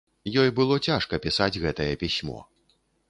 Ёй было цяжка пісаць гэтае пісьмо.